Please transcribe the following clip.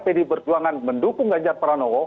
pdi berjuangan mendukung janjar pranowo